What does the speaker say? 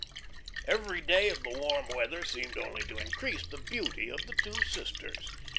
Every day of the warm weather seemed only to increase the beauty of the two sisters.